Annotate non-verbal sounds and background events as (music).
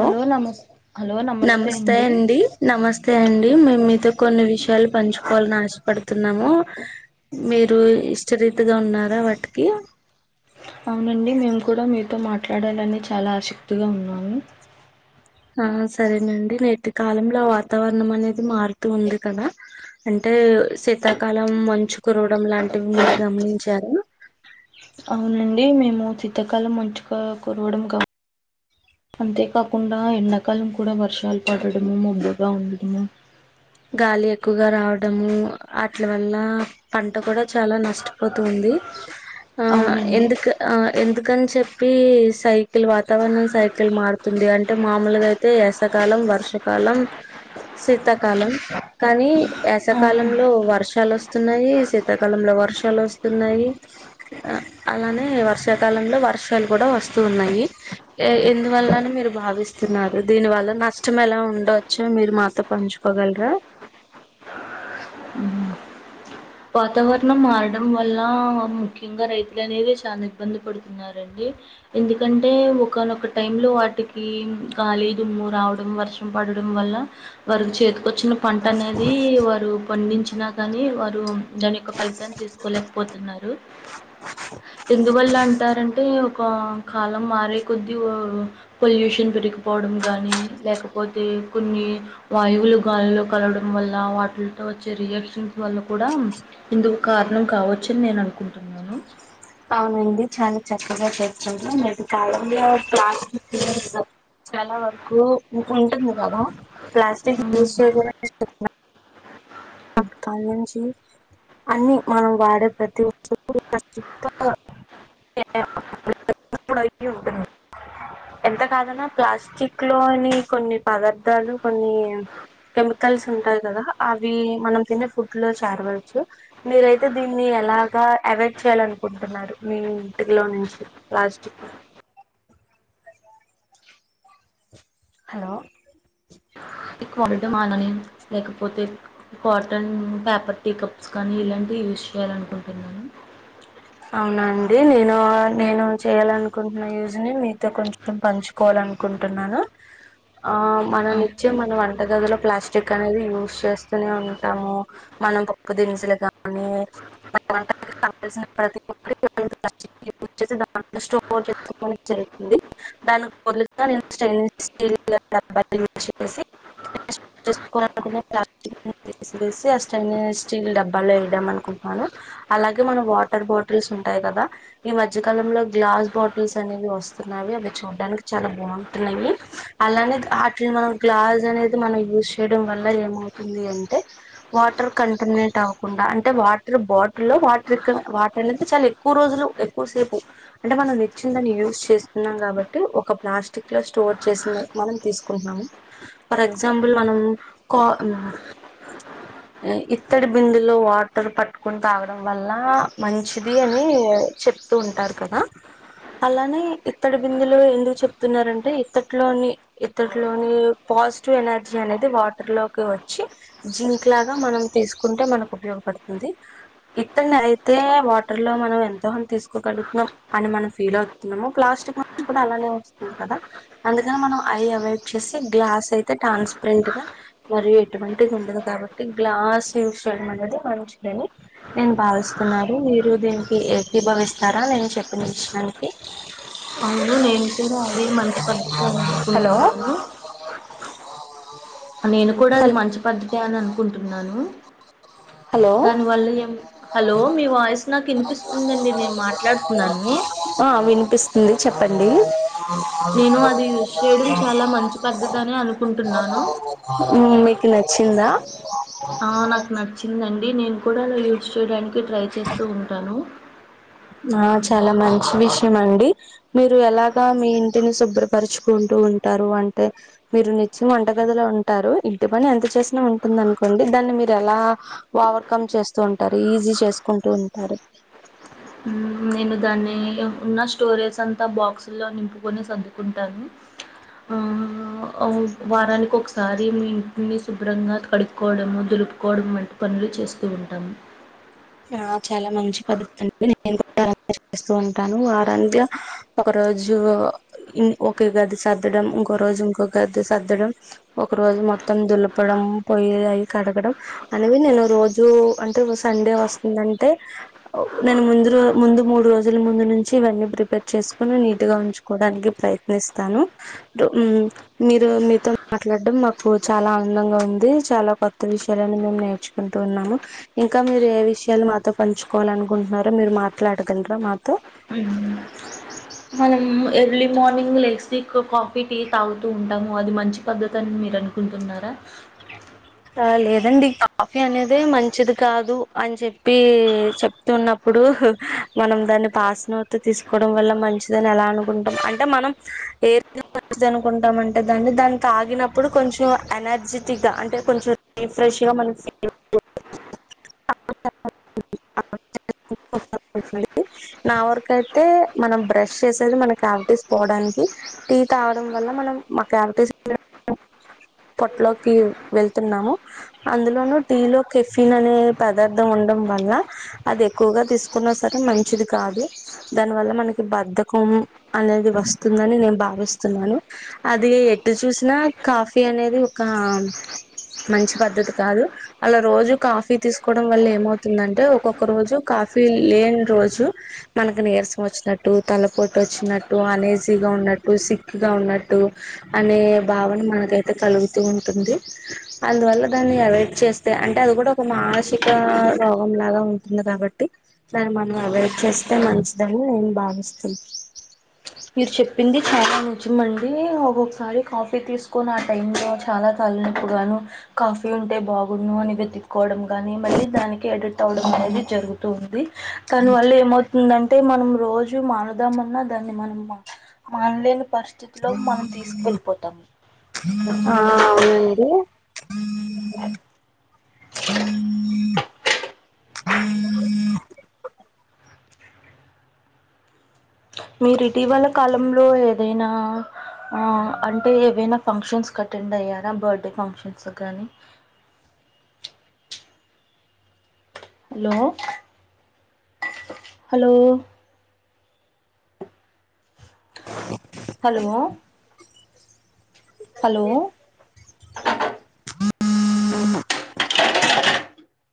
Hello నమస్ hello నమ నమస్తే అండి నమస్తే అండి మేము మీతో కొన్ని విషయాలు పంచుకోవాలని ఆశ పడుతున్నాము మీరు ఇష్టరీతిగా ఉన్నారా వాటికి అవునండి మేము కూడా మీతో మాట్లాడాలని చాలా ఆస్తిగా ఉన్నాము ఆ సరేనండి నేటి కాలంలో వాతావరణం అనేది మారుతూ ఉంది కదా అంటే అంటే శీతాకాలం మంచు కురవడం లాంటివి మీరు గమనించారా అవునండి మేము శీతకాలం మంచుగా కురవడం గా అంతే కాకుండా ఎండాకాలం కూడా వర్షాలు పడడము మబ్బుగా ఉండడము గాలి ఎక్కువగా రావడము అట్ల వల్ల పంట కూడా చాలా నష్టపోతుంది ఆ అవునండి ఎందుకు ఎందుకని చెప్ సైకిల్ వాతావరణం సైకిల్ మారుతుంది అంటే మామూలుగా అయితే ఎసకాలం వర్షకాలం కాలం శీతాకాలం కానీ ఆ యాసకాలంలో వర్షాలు వస్త న్నాయి శీతాకాలంలో వర్షాలు వస్తున్నాయి అలానే వర్షాకాలంలో వర్షాలు కూడా వస్తున్నాయి ఎందువల్లని మీరు భావిస్తున్నారు దీని వల్ల నష్టం ఎలా ఎల్ ఉండవచో మీరు మాతో పంచుకోగలరా వాతావరణం మారడం వల్ల ముఖ్యంగా రైతులు అనేది చాలా ఇబ్బంది పడుతున్నారండి ఎందుకంటే ఒకనొక టై లో వాటికి గాలీ దుమ్ము రావడం వర్షం పడ డడం వల్ల వారికి చేతికొచ్చిన పంట అనేది వారు పండించినా కానీ వారు దాని యొక్క ఫలితాన్ని తీసుకోలేకపోతున్నారు ఎందువల్ల అంటారంటే కాలం మారే కొద్దీ పొల్యూషన్ పెరిగిపోవడం కాగానీ లేకపోతే కొన్ని వాయువులు గాలిలో కలవడం వల్ల వాటిలతో వచ్చే రియాక్షన్స్ వల్ల కూడా ఇందుకు కారణం కావచ్చని నేను అనుకుంటున్నాను అవునండి చాలా చక్కగా (unintelligible) చాలా వరకు ఇక ఉంటుంది కదా ప్లాస్టిక్ మ్మ్. యూస్ (unintelligible) నుంచి అన్ని మనం వాడే ప్రతి (unintelligible) (unintelligible) ఎంత కాదన్నా ప్లాస్టిక్ లోని కొన్ని పదార్థాలు కొన్ని కెమికల్స్ ఉంటాయి కదా అవి మనం తినే ఫుడ్ లో చేరవచ్చు మీరు అయితే దీన్ని ఎలాగా అవాయిడ్ చేయాల అనుకుంటున్నారు మీ ఇంటిలో నుంచి ప్లాస్టిక్ ని హలో ఈ (unintelligible) మానని లేకపోతే కాటన్ పేపర్ టీ కప్స్ కానీ ఇలాంటి యూజ్ చేయాలనుకుంటున్నాను అవునండి నేను నేను చేయ్యాలనుకుంటున్న యూజ్ని మీతో కొంచెం పంచుకోవాలనుకుంటు ంటున్నాను ఆ మన నిత్యం అవును మనం వ వంట గదిలో ప్లాస్టిక్ అనేది యూజ్ చేస్తూనే ఉంటాము మనం పప్పు దినుసులు గానీ మన వంట కావలసిన ప్రతి పంట దినుసులు గాని స్టోర్ చే జరుగుతుంది దానికి బదులుగా నేను స్టెన్లెస్ స్టీల్ (unintelligible) వేసి ఆ స్టైన్ స్టీల్ డబ్బాలో వేద్దామనుకుంటాను అలాగే మనం వా వాటర్ బాటిల్స్ ఉంటాయి కదా ఈ మధ్య కాలంలో గ్లాస్ బాటిల్స్ అనేవి వస్తున్నావి అవి చూడ్డానికి చాలా బాగుంటున్నాయి అలానే అట్లీని మనం గ్లాస్ అనేది మనం యూజ్ చేయడం వల్ల ఏమవుతు అంటే వాటర్ కంటన్నేట్ అవకుండా అంటే వాటర్ బాటిల్లో వాటర్ వాటర్ అనేది చాలా ఎక్కువ రోజులు ఎక్కువసేపు అంటే మనం తెచ్చిన దాన్ని యూజ్ చేస్తున్నాం కాబట్టి ప్లాస్టిక్ లో స్టోర్ చేసిన మనం తీసుకుంటున్నాము ఫర్ ఎగ్జాంపుల్ మనం ఇత్తడి బిందల్లో వాటర్ పట్టుకొని తాగడం వల్ల మంచిది అని చెప్తూ ఉంటారు కదా అలానే ఇత్తడి బిందులో ఎందుకు చెప్తున్నారంటే ఇత్తట్లోని ఇత్తట్లోని పాజిటివ్ ఎనర్జీ అనేది వాటర్ లోకి వచ్చి జింక్ లాగా మనం తీసుకుంటే మనకు ఉపయోగపడుతుంది తుంది ఇత్తడినినేయి యితే వాటర్ లో మనం ఎంతోంది తీసుకోగలుగుతున్నాం అని మనం ఫీల్ అవుతున్నాము ప్లాస్టిక్ నుంచి కూడా అలానే వస్తుంది కదా అందుకని మనం అయి అవాయిడ్ చేసి గ్లాస్ అయితే ట్రాన్స్పరెంట్ గా మ ఎటువంటిది ఉండదు కాబట్టి గ్లాస్ యూస్ చేయడం అనేది మంచిదిని నేను భావిస్ స్తున్నారు మీరు దీనికి ఏభావిస్తారా నేను చెప్పిన విషయానికి అవును నేను కూడా అది మంచి పద్ధతి అని హలో అనుకుంటున్నాను నేను కూడా అది హల్ మంచి పద్ధతే అని అనుకుంటున్నాను హలో దాని వల్ల ఏం హలో మీ వాయిస్ నాకు వినిపిస్తుందండి నేను మాట్లాడుతున్నాను ఆ వి ఉంది చెప్పండి నేను అది యూస్ చేయడం చాలా మంచి పద్ధతి అని అనుకుంటున్నాను మీకు నచ్చిందా నాకు నచ్చిందండి నేను కూడా అలా యూస్ చేయడానికి ట్రై చేస్తూ ఉంటాను ఆ చాలా మంచి విషయం అండి మీరు ఎలాగా మీ ఇంటిని శుభ్రపరచుకుంటు ఉంటారు అంటే మీరునిచ్చి వంటగదిలో ఉంటారు ఇంటి పని ఎంత చేసినా ఉంటుంది అనుకోండి దాన్ని మీరు ఎలా ఓవర్కమ్ చేస్తూ ఉంటారు ఈజీ చేసుకుంటూ ఉంటారు మ్మ్, నేను దాన్ని ఉన్న స్టోరేజ్ అంతా బాక్సుల్లో నింపుకొని సర్దుకుంటాను ఆ వారానికి ఒకసారి మీ మీ శుభ్రంగా కడుక్కోవడము దులుపు పెట్టుకోవడం వంటి పనులు చేస్తూ ఉంటాము ఆ చాలా మంచి పద్ధతి అండి నేను చేస్తూ ఉంటాను వారంత్య ఒక రోజు ఒకే గది సద్దడం ఇంకో రోజు ఇంకొక గది సర్దడం ఒక రోజు మొత్తం దులపడం పోయిలయి కడగడం అనేవి నేను రోజు అంటే సండే వస్తే అంటే నేను ముందు ముందు మూడు రోజుల ముందు నుంచి ఇవన్నీ ప్రిపేర్ చేసుకొని నీ ఉంచుకోవడానికి ప్రయత్నిస్తాను. ఉ మీరు మీతో మాట్లాడం మాకు చాలా ఆనందంగా ఉంది చాలా కొత్త విషయాలను మేము నేర్చుకుంటూ ఉన్నాము ఇంకా మీరు ఏ విషయం ఎలా మాతో పంచుకోవాల అనుకుంటున్నారా మీరు మాట్లాడగలరా మాతో మన ఎర్లీ మార్నింగ్ లేసి కాఫీ, టీ తాగుతూ ఉంటాము. అది మంచి పద్ధతి అని మీరు అనుకుంటున్నారా లేదండి కాఫీ అనేద మంచిది కాదు అని చెప్పి చెప్తున్నప్పు ఇప్పుడు మనం దాన్ని పాసనోటితో తీసుకోవడం వల్ల మంచిదని ఎలా అనుకుంటాం అంటే మనం ఏ మది అనుకుంటాం అంటే దాన్ని దాన్ని తాగినప్పుడు కొంచెం ఎనర్జెటిక్ గా అంటే కొంచెం ఫ్రెష్గా మనం ఫీల్ (unintelligible) నా వరకు అయితే మనం బ్రష్ చేసేది మనకి కావిటీస్ పోడానికి టీ తా కావడం వల్ల మనం మా కావిటీస్ (inaudible) పొట్లోకి వెళ్తున్నాము అందులోనూ టీ లో కెఫిన్ అనే పదార్థం ఉండం వల్ల అదె ఎక్కువగా తీసుకున్నా సరే మంచిది కాదు దానివల్ల మనకి బధ్ధకం అనేది వస్తు ఉందని నేను భావిస్తున్నాను అదీ ఎటు చూసినా కాఫీ అనేది ఒక మంచి పద్ధతి కాదు, అలా రోజు కాఫీ తీసుకోవడం వల్ల ఏమవుతుందంటే ఒక్కొక్క రోజు. కాఫీ లేని రోజు మనకి నీరసం వచ్చినట్టు తలపోటు వచ్చినట్టు అనేజీగా ఉన్నట్టు సిక్ గా ఉన్నట్టు అనే భావన మనకైతే కలుగుతూ ఉంటుంది అందువల్ల దాన్ని అవాయిడ్ చేస్తే అంటే అది కూడా ఒక మానసిక రోగంలాగా ఉంటుంది గా బట్టి దాని మనం అవైడ్ చేస్తే మంచిదని నేను భావిస్తు మీరు చెప్పింది చాలా నుంచి మండీ ఒక్కోక్సారి కాఫీ తీసుకొని ఆ టై లో చాలా తలినొప్పుగాను కాఫీ బీ ఉంటే బాగున్ను అని వెతిక్కోవడం గాని మళ్ళీ దాని కి ఎడిట్ అవడం అనేది జరుగుతూ ఉంది కాని వల్ల ఏమవుతుందన్ టే మనం రోజూ మానుదాం అన్నా దాన్ని మనం మానలేని పరిస్థితిలో మనం తీసుకెళ్ళిపోతాం ఆ అవునండి మీరు ఇటీవల కాలంలో ఏదైనా ఆ అంటే ఏవైనా ఫంక్షన్స్ క అటెండ్ అయ్యారా బర్త్డే ఫంక్షన్స్ కానీ హలో హలో హలో హలో